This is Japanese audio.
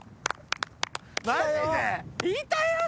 マジで？